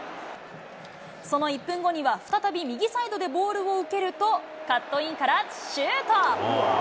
その１分後には、再び右サイドでボールを受けると、カットインからシュート。